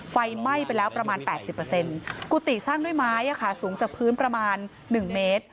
ไฟไหม้ไปแล้วประมาณ๘๐กุฏิสร้างด้วยไม้สูงจากพื้นประมาณ๑เมตร